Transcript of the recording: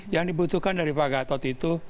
yang dibutuhkan dari pak gatot itu